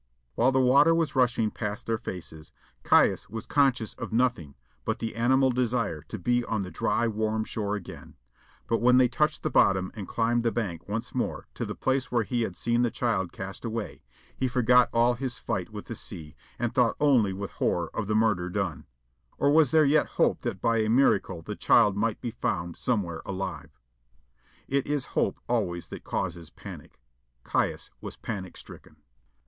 While the water was rushing past their faces, Caius was conscious of nothing but the animal desire to be on the dry, warm shore again; but when they touched the bottom and climbed the bank once more to the place where he had seen the child cast away, he forgot all his fight with the sea, and thought only with horror of the murder done or was there yet hope that by a miracle the child might be found somewhere alive? It is hope always that causes panic. Caius was panic stricken.